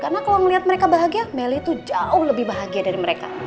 karena kalau melihat mereka bahagia meli tuh jauh lebih bahagia dari mereka